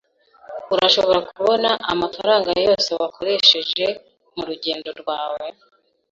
Urashobora kubara amafaranga yose wakoresheje murugendo rwawe?